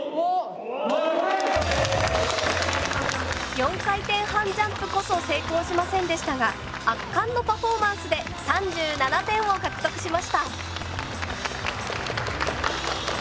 ４回転半ジャンプこそ成功しませんでしたが圧巻のパフォーマンスで３７点を獲得しました。